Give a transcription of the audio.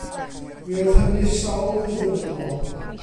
Mi oedd hynny sawl blwyddyn yn ôl.